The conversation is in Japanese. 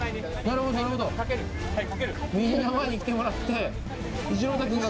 みんな前に来てもらって。